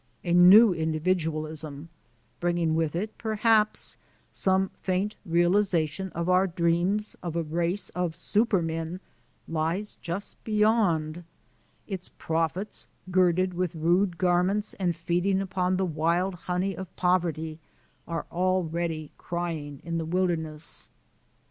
A new individualism, bringing with it, perhaps, some faint realization of our dreams of a race of Supermen, lies just beyond! Its prophets, girded with rude garments and feeding upon the wild honey of poverty, are already crying in the wilderness.